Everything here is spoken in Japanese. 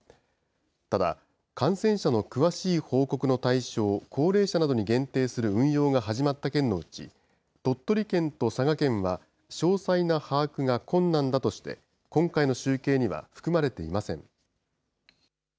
ただ、感染者の詳しい報告の対象を高齢者などに限定する運用が始まった県のうち、鳥取県と佐賀県は、詳細な把握が困難だとして、今回の集計には含まれていません。